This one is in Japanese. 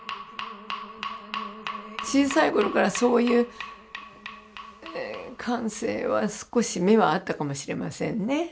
小さい頃からそういう感性は少し芽はあったかもしれませんね。